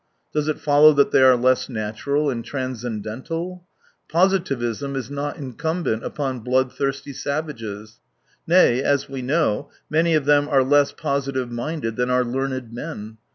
Does it follow that they are less natural and transcendental ? Positivism is not incumbent upon blood thirsty savages. Nay, as we know, many of them are less positive minded than our learned men.